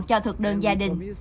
cho thực đơn gia đình